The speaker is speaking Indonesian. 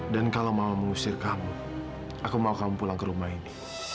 dan kalau mama mengusir kamu aku mau kamu pulang ke rumah ini